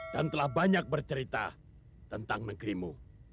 dan telah banyak bercerita tentang negerimu